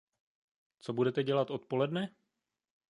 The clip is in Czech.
Co budete dělat odpoledne?